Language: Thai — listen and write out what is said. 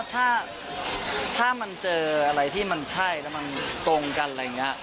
ถ้ามันเจออะไรที่มันใช่แล้วมันตรงกันอะไรอย่างนี้